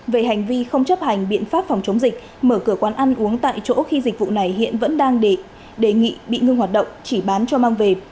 về hành vi không chấp hành biện pháp phòng chống dịch mở cửa quán ăn uống tại chỗ khi dịch vụ này hiện vẫn đang đề nghị bị ngưng hoạt động chỉ bán cho mang về